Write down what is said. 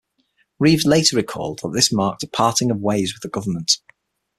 Reeves later recalled that this marked a "parting of ways" with the Government.